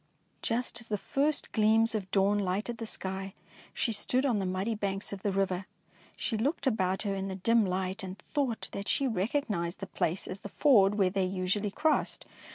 Just as the first gleams of dawn lighted the sky, she stood on the muddy banks of the river. She looked about her in the dim light and thought that she recognised the place as the ford where they usually crossed.